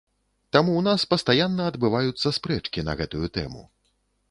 Таму ў нас пастаянна адбываюцца спрэчкі на гэтую тэму.